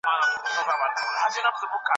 د دوی لیدلوری یو اړخیز و.